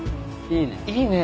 いいね。